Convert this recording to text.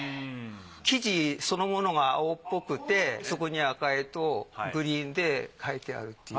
生地そのものが青っぽくてそこに赤絵とグリーンで描いてあるっていう。